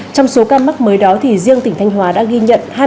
trong số ca mắc mới đó thì riêng tỉnh thanh hóa đã ghi nhận